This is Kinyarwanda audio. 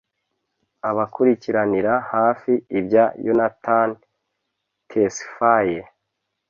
Abakurikiranira hafi ibya Yonatan Tesfaye